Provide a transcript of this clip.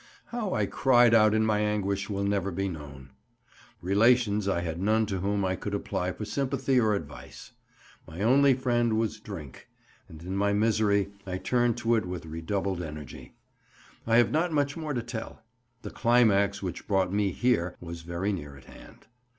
How I cried out in my anguish will never be known. Relations I had none to whom I could apply for sympathy or advice. My only friend was 'drink,' and in my misery I turned to it with redoubled energy. I have not much more to tell; the climax which brought me here was very near at hand.